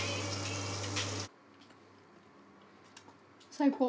最高。